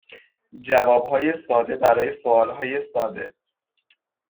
جوابهای ساده برای سوالهای ساده